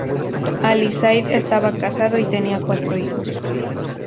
Ali Said estaba casado y tenía cuatro hijos.